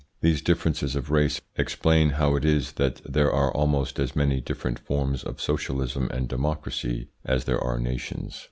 These differences of race explain how it is that there are almost as many different forms of socialism and democracy as there are nations.